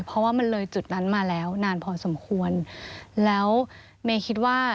เพราะว่ามันเลยจุดนั้นมาแล้วนานพอสมควรแล้วเมย์คิดว่า